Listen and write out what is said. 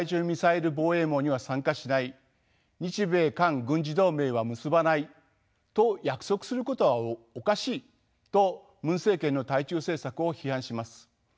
ミサイル防衛網には参加しない日米韓軍事同盟は結ばないと約束することはおかしいとムン政権の対中政策を批判します。